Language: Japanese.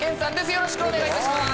よろしくお願いします